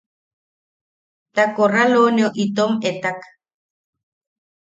Ta korraloneu itom etak.